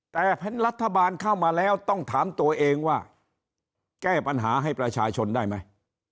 แต่เห็นรัฐบาลเข้ามาแล้วต้องถามตัวเองว่าแก้ปัญหาให้ประชาชนได้ไหม